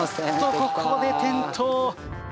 ここで転倒。